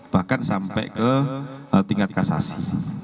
bahkan sampai ke tingkat kasasi